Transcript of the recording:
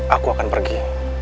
aku akan pergi